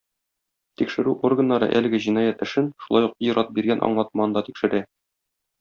Тикшерү органнары әлеге җинаять эшен, шулай ук ир-ат биргән аңлатманы да тикшерә.